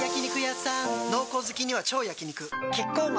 濃厚好きには超焼肉キッコーマン